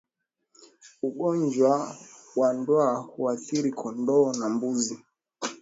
Ugonjwa wa ndwa huathiri kondoo na mbuzi